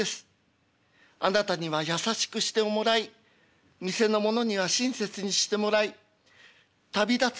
あなたには優しくしてもらい店の者には親切にしてもらい旅立つ